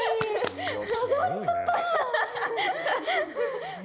誘われちゃった！